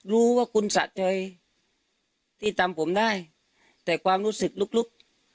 รู้ว่าคุณสะเจยติดตามผมได้แต่ความรู้สึกลุกลุก